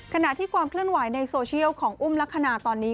ขณะที่ความเคลื่อนไหวในโซเชียลของอุ้มลักษณะตอนนี้